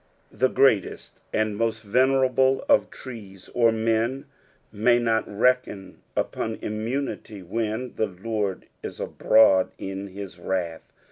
The greatest and moat venerable of trcea or men, may not reckon upon immunity when the Lord is abroad in his wrath.